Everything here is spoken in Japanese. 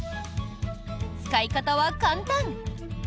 使い方は簡単。